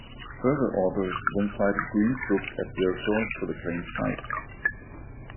Further authors then cited Green's books as their source for the claimed flight.